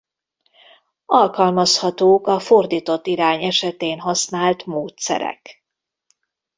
Alkalmazhatók a fordított irány esetén használt módszerek.